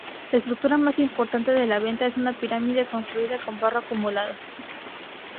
La estructura más importante de La Venta es una pirámide construida con barro acumulado.